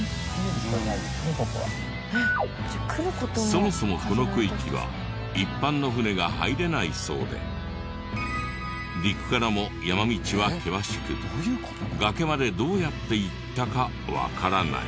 そもそもこの区域は一般の船が入れないそうで陸からも山道は険しく崖までどうやって行ったかわからない。